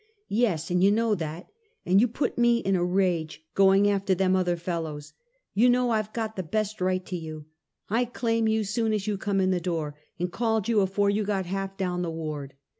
"Yes! and jou know that, and you put me in a rage going after them other fellows. You know I've got the best right to you. I claimed you soon as you come in the door, and called yon afore you got half down the ward.